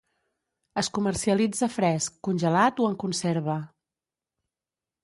Es comercialitza fresc, congelat o en conserva.